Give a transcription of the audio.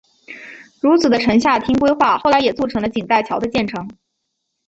如此的城下町规划后来也促成了锦带桥的建成。